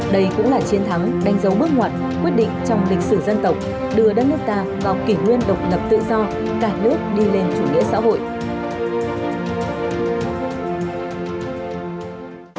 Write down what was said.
đây cũng là chiến thắng đánh dấu bước ngoặt quyết định trong lịch sử dân tộc đưa đất nước ta vào kỷ nguyên độc lập tự do cả nước đi lên chủ nghĩa xã hội